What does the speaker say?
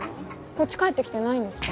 こっち帰ってきてないんですか？